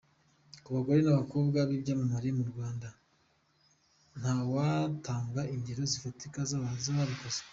Ku bagore n’ abakobwa b’ ibyamamare mu Rwanda, ntawatanga ingero zifatika z’ababikoze.